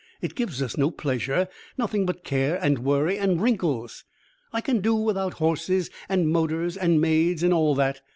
It gives us no pleasure, nothing but care and worry and wrinkles. I can do without horses and motors and maids, and all that.